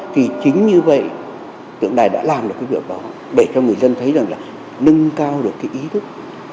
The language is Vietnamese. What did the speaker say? thì chính như vậy tượng đài đã làm được cái việc đó để cho người dân thấy rằng là nâng cao được cái ý thức